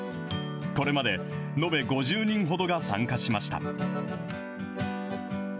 これまで延べ５０人ほどが参加しました。